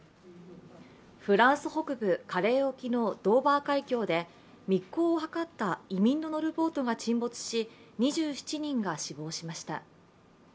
フランス北部カレー沖のドーバー海峡で密航を図った移民の乗るボートが沈没し、２７人が死亡しました。